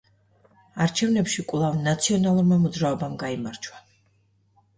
არჩევნებში კვლავ „ნაციონალურმა მოძრაობამ“ გაიმარჯვა.